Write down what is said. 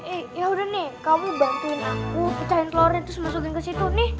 eh yaudah nih kamu bantuin aku kecahin telurnya terus masukin kesitu nih